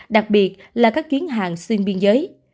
đặc biệt là các chuyến hàng xuyên biên giới